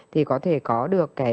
thì có thể có được cái cân